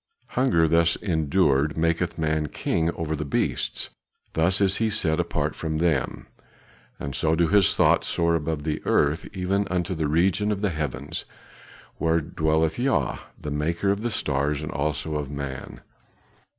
Hunger thus endured maketh man king over the beasts; thus is he set apart from them, and so do his thoughts soar above the earth even unto the region of the heavens, where dwelleth Ja, the maker of the stars and also of man."